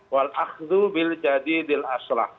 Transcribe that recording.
wal akhdu biljadidil aslah